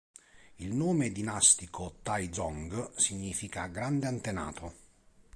Il nome dinastico Tai Zong significa “Grande antenato”.